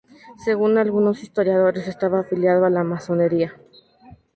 Según algunos historiadores estaba afiliado a la masonería.